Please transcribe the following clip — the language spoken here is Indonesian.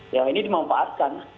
yang ini dimanfaatkan